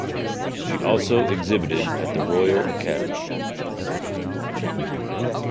She also exhibited at the Royal Academy.